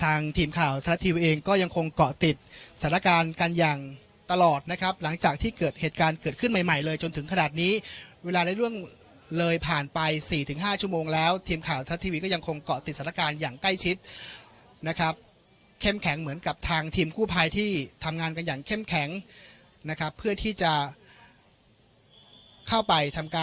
ทีมข่าวทัศน์ทีวีเองก็ยังคงเกาะติดสถานการณ์กันอย่างตลอดนะครับหลังจากที่เกิดเหตุการณ์เกิดขึ้นใหม่ใหม่เลยจนถึงขนาดนี้เวลาในเรื่องเลยผ่านไปสี่ถึงห้าชั่วโมงแล้วทีมข่าวทัศน์ทีวีก็ยังคงเกาะติดสถานการณ์อย่างใกล้ชิดนะครับเข้มแข็งเหมือนกับทางทีมกู้ภัยที่ทำงานกันอย่างเข้มแข็งนะครับเพื่อที่จะเข้าไปทำการ